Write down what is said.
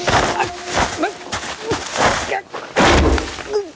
うっ。